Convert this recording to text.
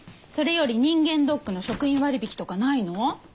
それより人間ドックの職員割引とかないの？